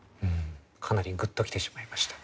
かなりグッときてしまいました。